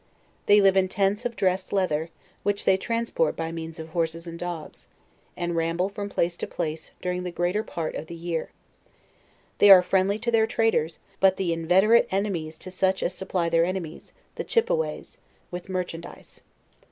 They live in tents of dressed leather, which they transport by means of horses and dogs, and rambje from place to place during the greater part of the LEWIS AND CLARKE. 133 year. They are friendly to their, traders; but the inveterate enemies to such as supply their enBmies, the Chippeways, with merchandise.